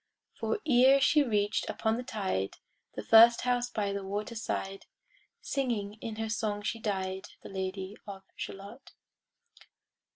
For ere she reached upon the tide The first house by the water side, Singing in her song she died, The Lady of Shalott.